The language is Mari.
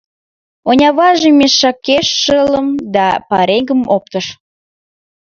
Оньаваже мешакеш шылым да пареҥгым оптыш.